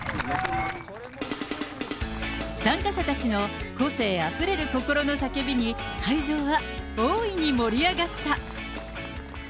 参加者たちの個性あふれる心の叫びに、会場は大いに盛り上がった。